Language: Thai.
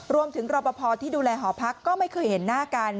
รอปภที่ดูแลหอพักก็ไม่เคยเห็นหน้ากัน